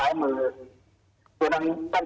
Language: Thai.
แล้วก็เข้าไปนั่ง